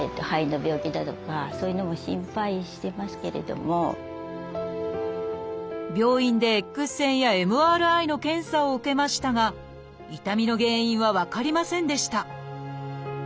やっぱり胸のことなもんですから病院でＸ線やＭＲＩの検査を受けましたが痛みの原因は分かりませんでした